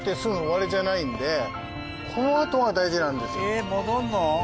えっ戻るの？